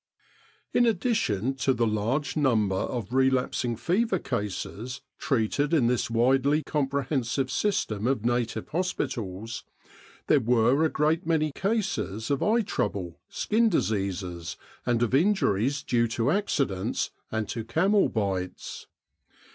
In addition to the large number of relapsing fever cases treated in this widely comprehensive system of native hospitals, there were a great many cases of eye trouble, skin diseases, and of injuries due to accidents and to camel bites.